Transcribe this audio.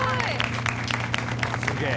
すげえ。